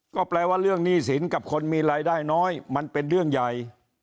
ก็แปลว่าเรื่องหนี้สินกับคนมีรายได้น้อยมันเป็นเรื่องใหญ่